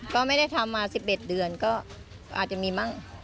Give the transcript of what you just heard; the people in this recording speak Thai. ก็ไม่ได้ทำมา๑๑เดือนก็อาจจะมีมั่ง